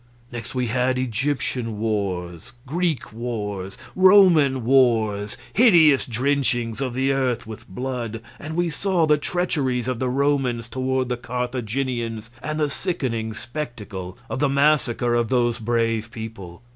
Next we had Egyptian wars, Greek wars, Roman wars, hideous drenchings of the earth with blood; and we saw the treacheries of the Romans toward the Carthaginians, and the sickening spectacle of the massacre of those brave people.